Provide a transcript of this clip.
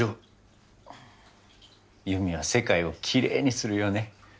優美は世界をきれいにするよね。